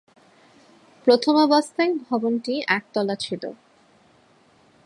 প্রথমাবস্থায় ভবনটি একতলা ছিল।